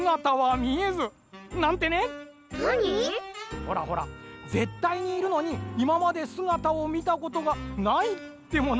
ほらほらぜったいにいるのにいままですがたをみたことがないってものあるでしょう？